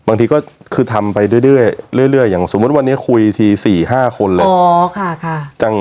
บางทีก็คือทำไปเรื่อยอย่างสมมุติวันนี้คุยที๔๕คนเลย